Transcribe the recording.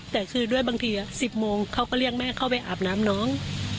แต่คือด้วยบางที๑๐โมงเขาก็เรียกแม่เข้าไปอาบน้ำน้อง